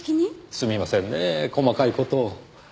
すみませんねぇ細かい事を。